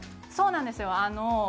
そうなんですよ。